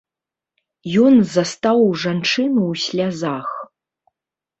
Ён застаў жанчыну ў слязах.